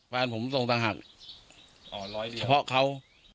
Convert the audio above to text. ผมส่งต่างหากเฉพาะเขา